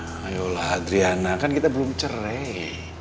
ayolah adriana kan kita belum cerai